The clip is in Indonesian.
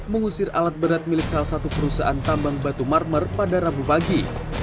mengusir alat berat milik salah satu perusahaan tambang batu marmer pada rabu pagi